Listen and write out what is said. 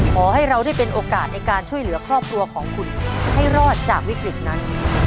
ขอให้เราได้เป็นโอกาสในการช่วยเหลือครอบครัวของคุณให้รอดจากวิกฤตนั้น